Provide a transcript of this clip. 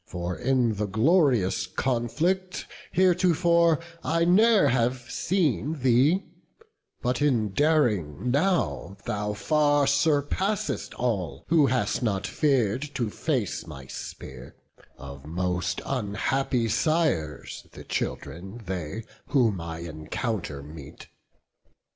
For in the glorious conflict heretofore I ne'er have seen thee; but in daring now Thou far surpassest all, who hast not fear'd To face my spear; of most unhappy sires The children they, who my encounter meet.